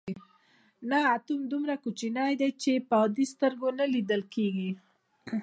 نه اتوم دومره کوچنی دی چې په عادي سترګو نه لیدل کیږي.